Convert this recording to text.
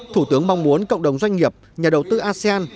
thủ tướng mong muốn cộng đồng doanh nghiệp nhà đầu tư asean